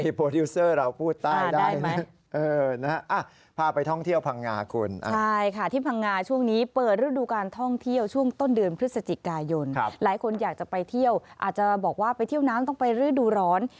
พิโปรดิวเซอร์เราพูดใต้ได้นะฮะเออนะฮะพาไปท่องเที่ยวพังงาคุณ